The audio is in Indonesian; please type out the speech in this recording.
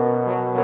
nih bolok ke dalam